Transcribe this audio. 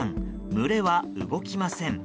群れは動きません。